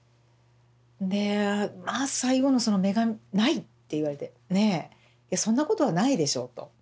でまあ最後のその「目がない」って言われてねそんなことはないでしょうと。